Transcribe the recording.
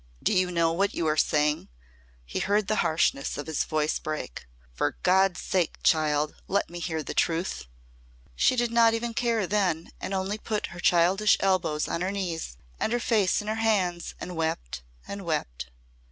"Do you know what you are saying?" he heard the harshness of his voice break. "For God's sake, child, let me hear the truth." She did not even care then and only put her childish elbows on her knees and her face in her hands and wept and wept.